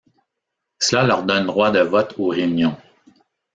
Cela leur donne droit de vote aux réunions.